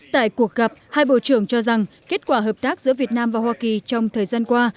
tại cuộc gặp hai bộ trưởng cho rằng kết quả hợp tác giữa việt nam và hoa kỳ trong thời gian qua